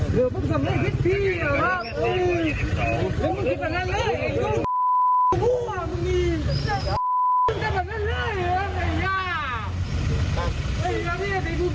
สุดท้ายก็ต้องให้เจ้าหน้าที่มาช่วยเกลี้ยกล่อมนะคะ